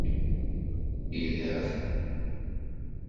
yzy ýarasyn!